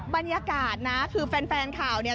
บรรยากาศนะคือแฟนข่าวเนี่ย